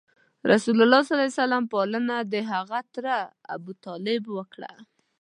رسول الله ﷺ پالنه دهغه تره ابو طالب وکړه.